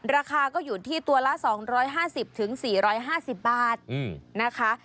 ราคาก็อยู่ที่ตัวละ๒๕๐๔๕๐บาทนะคะ